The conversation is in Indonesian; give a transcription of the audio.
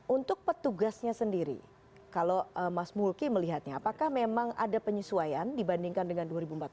untuk petugasnya sendiri kalau mas mulki melihatnya apakah memang ada penyesuaian dibandingkan dengan dua ribu empat belas